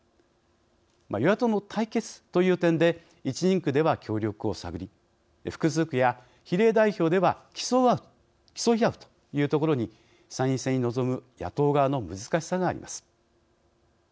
与野党の対決という点で１人区では協力を探り複数区や比例代表では競い合うというところに参院選に臨む野党側の難しさがあります。